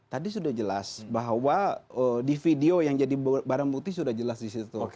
tadi sudah jelas bahwa di video yang jadi barang bukti sudah jelas di situ